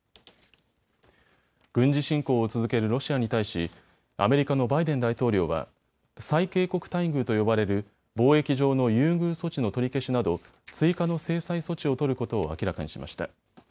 軍事侵攻を続けるロシアに対しアメリカのバイデン大統領は最恵国待遇と呼ばれる貿易上の優遇措置の取り消しなど追加の制裁措置を取ることを明らかにしました。